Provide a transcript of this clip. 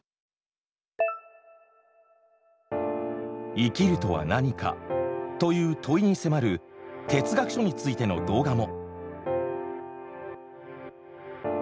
“生きるとは何か”という問いに迫る哲学書についての動画も。